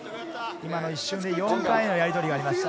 今の一瞬で４回のやりとりがありました。